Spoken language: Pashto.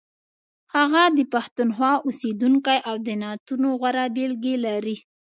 هغه د پښتونخوا اوسیدونکی او د نعتونو غوره بېلګې لري.